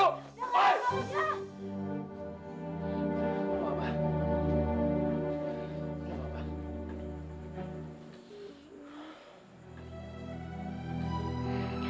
udah raka udah